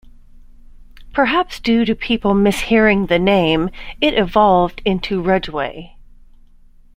Perhaps due to people mishearing the name, it evolved into Rudgeway.